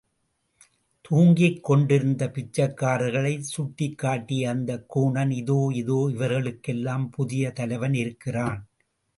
தூங்கிக் கொண்டிருந்த பிச்சைக்காரர்களைச் சுட்டிக் காட்டிய அந்தக் கூனன், இதோ, இதோ, இவர்களுக்கெல்லாம் புதிய தலைவன் இருக்கிறான்.